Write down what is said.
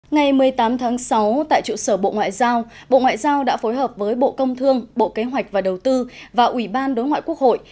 ngày một mươi tám tháng sáu tại trụ sở bộ ngoại giao bộ ngoại giao đã phối hợp với bộ công thương bộ kế hoạch và đầu tư và ủy ban đối ngoại quốc hội